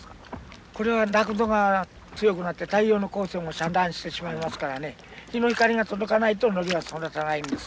これは濁度が強くなって太陽の光線を遮断してしまいますからね日の光が届かないとノリが育たないんです。